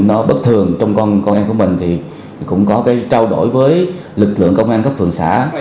nó bất thường trong con em của mình thì cũng có trao đổi với lực lượng công an các phường xã